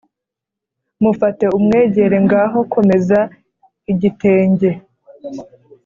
mufate umwegere, ngaho komeza igitenge